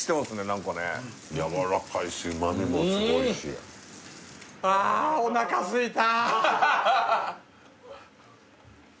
何かねやわらかいし旨味もすごいしあおなかすいた！